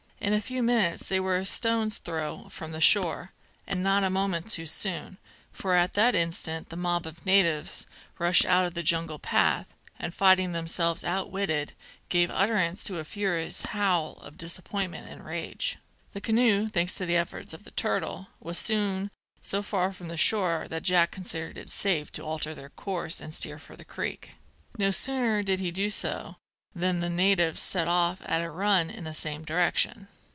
In a few minutes they were a stone's throw from shore and not a moment too soon, for at that instant the mob of natives rushed out of the jungle path, and finding themselves outwitted, gave utterance to a furious howl of disappointment and rage. The canoe, thanks to the efforts of the turtle, was soon so far from shore that Jack considered it safe to alter their course and steer for the creek. No sooner did he do so than the natives set off at a run in the same direction.